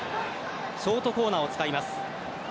ショートコーナーを使います。